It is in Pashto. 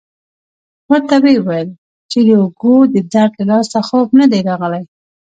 ورته ویې ویل چې د اوږو د درد له لاسه خوب نه دی راغلی.